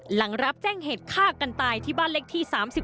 หลังรับแจ้งเหตุฆ่ากันตายที่บ้านเลขที่๓๑